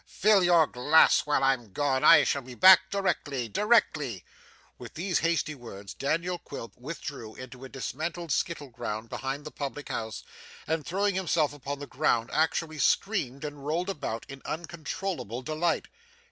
Fill your glass while I'm gone. I shall be back directly directly.' With these hasty words, Daniel Quilp withdrew into a dismantled skittle ground behind the public house, and, throwing himself upon the ground actually screamed and rolled about in uncontrollable delight.